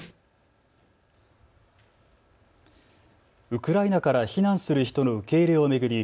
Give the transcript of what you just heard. ウクライナから避難する人の受け入れを巡り